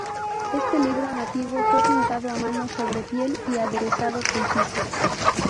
Este libro nativo fue pintado a mano sobre piel y aderezado con tiza.